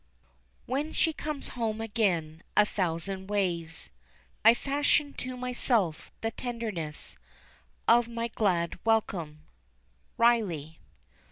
"When she comes home again, a thousand ways I fashion to myself the tenderness Of my glad welcome." RILEY.